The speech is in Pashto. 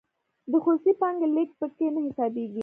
د خصوصي پانګې لیږد پکې نه حسابیږي.